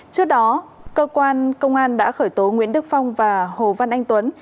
trước đó cơ quan công an đã khởi tố nguyễn đức phong và hồ văn anh tuấn